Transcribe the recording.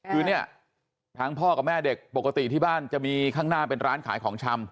คือเนี่ยทางพ่อกับแม่เด็กปกติที่บ้านจะมีข้างหน้าเป็นร้านขายของชำ